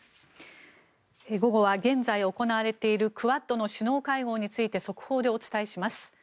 午後は現在、行われているクアッドの首脳会合について速報でお伝えします。